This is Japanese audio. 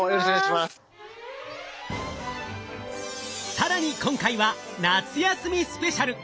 更に今回は夏休みスペシャル！